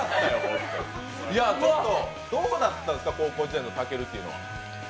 どうだったんですか、高校時代のたけるというのは。